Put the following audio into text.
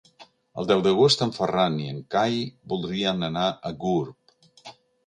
El deu d'agost en Ferran i en Cai voldrien anar a Gurb.